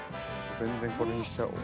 全然これにしちゃおう。